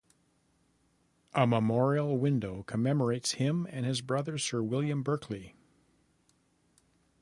A memorial window commemorates him and his brother Sir William Berkeley.